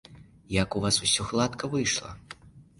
Як у вас усё гладка выйшла!